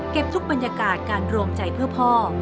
ทุกบรรยากาศการรวมใจเพื่อพ่อ